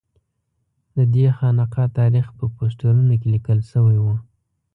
ددې خانقا تاریخ په پوسټرونو کې لیکل شوی و.